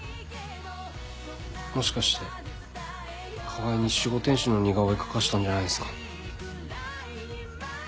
もしかして川合に守護天使の似顔絵描かしたんじゃないんすか？